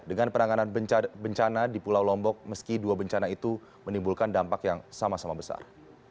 dengan penanganan bencana di pulau lombok meski dua bencana itu menimbulkan dampak yang sama sama besar